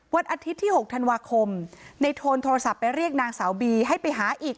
วันอาทิตย์ที่๖ธันวาคมในโทนโทรศัพท์ไปเรียกนางสาวบีให้ไปหาอีก